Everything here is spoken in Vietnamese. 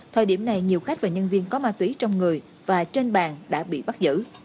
thời điểm này nhiều khách và nhân viên có ma túy trong người và trên bàn đã bị bắt giữ